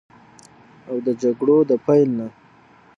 او د جګړو د پیل نه